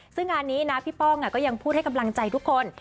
ซึ่งงานนี้นะพี่ป้องก็ยังพูดให้กำลังใจทุกคน